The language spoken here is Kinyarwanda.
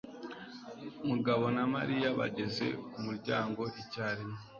Mugabo na Mariya bageze ku muryango icyarimwe.